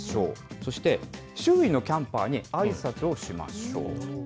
そして、周囲のキャンパーにあいさつをしましょう。